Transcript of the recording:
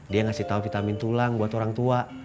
dia ngasih tahu vitamin tulang buat orang tua